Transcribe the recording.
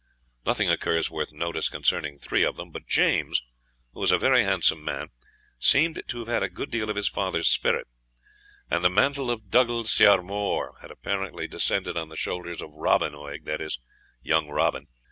Nothing occurs worth notice concerning three of them; but James, who was a very handsome man, seems to have had a good deal of his father's spirit, and the mantle of Dougal Ciar Mhor had apparently descended on the shoulders of Robin Oig, that is, young Robin.